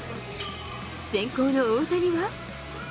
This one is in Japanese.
先行の大谷は。